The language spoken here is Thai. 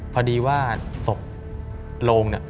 พอดีว่าศพโรงเนี่ย